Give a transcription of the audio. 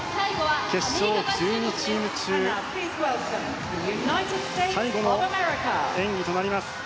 決勝１２チーム中最後の演技となります。